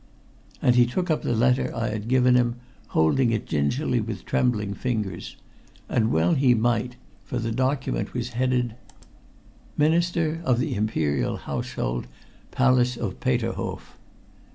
And he took up the letter I had given him, holding it gingerly with trembling fingers. And well he might, for the document was headed: "MINISTER OF THE IMPERIAL HOUSEHOLD, PALACE OF PETERHOF.